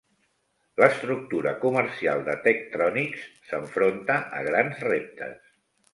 L'estructura comercial de Tektronix s'enfronta a grans reptes.